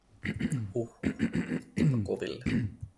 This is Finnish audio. Huh, huh, ottipa koville.